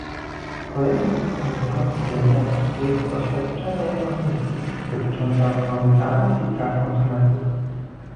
Kolejnym punktem porządku dziennego jest oświadczenie Komisji dotyczące ochrony danych i praw konsumentów